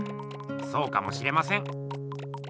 そうかもしれません。